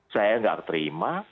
saya nggak terima